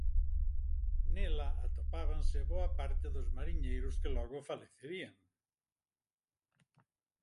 Nela atopábanse boa parte dos mariñeiros que logo falecerían.